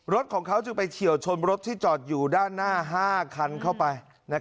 รถของเขาจึงไปเฉียวชนรถที่จอดอยู่ด้านหน้า๕คันเข้าไป